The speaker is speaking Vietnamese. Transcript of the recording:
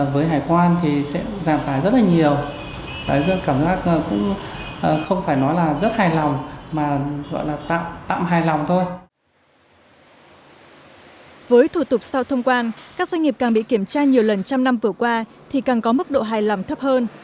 với thủ tục sau thông quan các doanh nghiệp càng bị kiểm tra nhiều lần trăm năm vừa qua thì càng có mức độ hài lòng thấp hơn